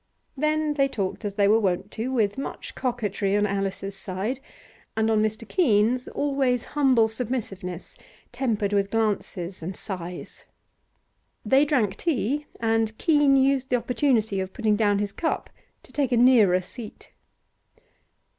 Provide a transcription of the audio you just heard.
Then they talked as they were wont to, with much coquetry on Alice's side, and on Keene's always humble submissiveness tempered with glances and sighs. They drank tea, and Keene used the opportunity of putting down his cup to take a nearer seat.